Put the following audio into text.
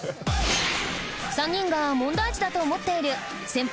３人が問題児だと思っている先輩